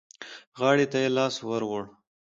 غاړې ته يې لاس ور ووړ.